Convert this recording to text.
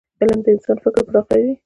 علم د انسان فکر پراخوي.